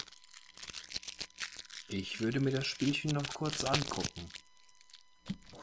Ich würde mir das Spielchen noch kurz ankucken.